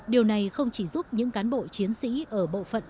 điều này không chỉ giúp những cán bộ chiến sĩ ở bộ phận